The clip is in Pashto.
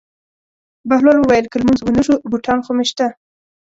بهلول وویل: که لمونځ ونه شو بوټان خو مې شته.